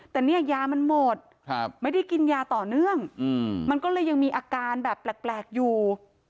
แต่เนี่ยยามันหมดไม่ได้กินยาต่อเนื่องมันก็เลยยังมีอาการแบบแปลกอยู่